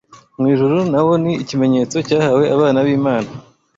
mu ijuru na wo ni ikimenyetso cyahawe abana b’Imana